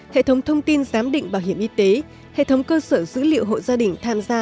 hệ thống thông tin giám định bảo hiểm y tế hệ thống cơ sở dữ liệu hộ gia đình tham gia